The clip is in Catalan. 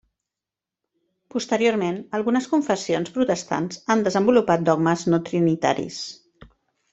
Posteriorment, algunes confessions protestants han desenvolupat dogmes no trinitaris.